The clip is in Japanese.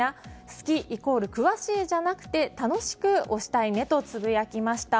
好きイコール詳しいじゃなくて楽しく推したいねとつぶやきました。